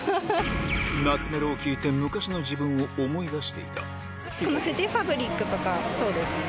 懐メロを聴いて昔の自分を思このフジファブリックとかそうですね。